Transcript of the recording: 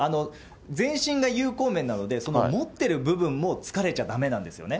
全身が有効面なので、その持っている部分も突かれちゃだめなんですよね。